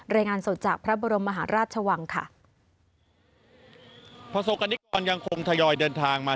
รายงานสดจากพระบรมมหาราชวังค่ะ